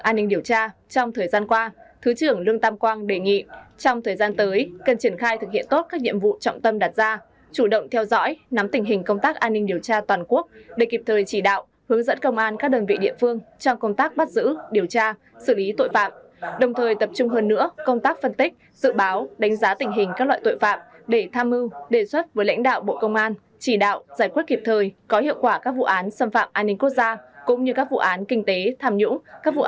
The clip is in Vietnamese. an ninh điều tra trong thời gian qua thứ trưởng lương tam quang đề nghị trong thời gian tới cần triển khai thực hiện tốt các nhiệm vụ trọng tâm đặt ra chủ động theo dõi nắm tình hình công tác an ninh điều tra toàn quốc để kịp thời chỉ đạo hướng dẫn công an các đơn vị địa phương trong công tác bắt giữ điều tra xử lý tội phạm đồng thời tập trung hơn nữa công tác phân tích dự báo đánh giá tình hình các loại tội phạm để tham mưu đề xuất với lãnh đạo bộ công an chỉ đạo giải quyết kịp thời có hiệu quả các vụ án xâm phạm an ninh quốc gia